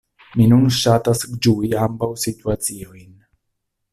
Mi nun ŝatas ĝui ambaŭ situaciojn.